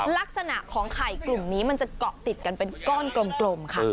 ลักษณะของไข่กลุ่มนี้มันจะเกาะติดกันเป็นก้อนกลมค่ะ